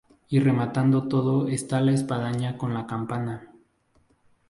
Y rematando todo está la espadaña con la campana.